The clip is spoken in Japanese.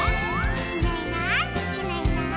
「いないいないいないいない」